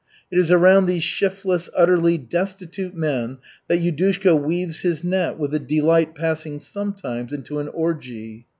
It is around these shiftless, utterly destitute men that Yudushka weaves his net, with a delight passing sometimes into an orgy.